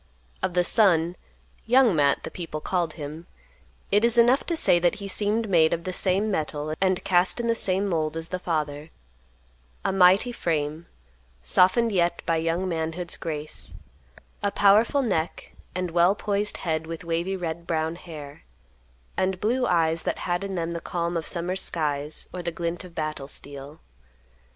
Of the son, "Young Matt," the people called him, it is enough to say that he seemed made of the same metal and cast in the same mold as the father; a mighty frame, softened yet by young manhood's grace; a powerful neck and well poised head with wavy red brown hair; and blue eyes that had in them the calm of summer skies or the glint of battle steel.